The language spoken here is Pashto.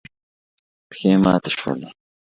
پښې ماتې شولې.